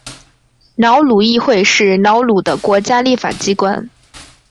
瑙鲁议会是瑙鲁的国家立法机关。